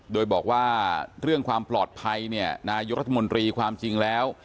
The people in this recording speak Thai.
โดยบอกว่าเรื่องความปลอดภัยเนี่ยนายกรัฐมนตรีความจริงแล้ว